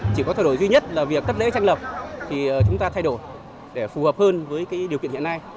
chỉ có thay đổi duy nhất là việc cất lễ tranh lập thì chúng ta thay đổi để phù hợp hơn với điều kiện hiện nay